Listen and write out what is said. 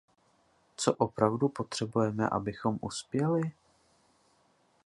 Co opravdu potřebujeme, abychom uspěli?